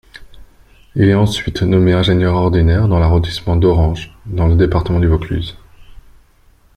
Il est ensuite nommé ingénieur ordinaire dans l'arrondissement d'Orange, dans le département du Vaucluse.